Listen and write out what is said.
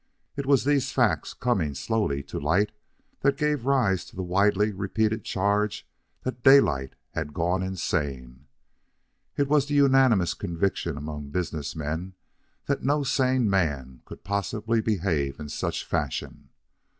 It was these facts, coming slowly to light, that gave rise to the widely repeated charge that Daylight had gone insane. It was the unanimous conviction among business men that no sane man could possibly behave in such fashion.